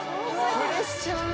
プレッシャー。